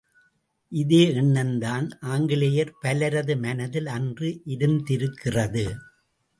இதே எண்ணம்தான் ஆங்கிலேயர் பலரது மனதில் அன்று இருந்திருக்கிறது.